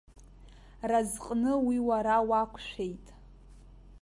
Разҟны уи уара уақәшәеит.